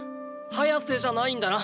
ハヤセじゃないんだな？